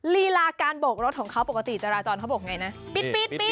รีราะการโบกรถของเขาปกติจราจรเค้าบอกอย่างไรนะ